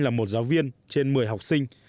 là một giáo viên trên một mươi học sinh